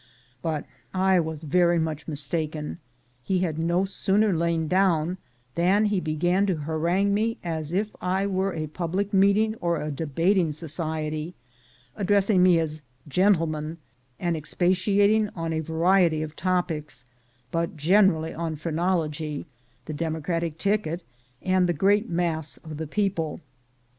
But I was very much mistaken ; he had no sooner lain down, than he began to harangue me as if I were a public meeting or a debating society, addressing me as "gentlemen," and expatiating on a variety of topics, but chiefly on phrenology, the Demo cratic ticket, and the great mass of the people.